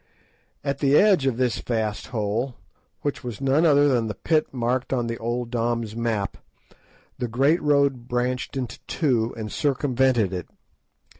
At the edge of this vast hole, which was none other than the pit marked on the old Dom's map, the Great Road branched into two and circumvented it.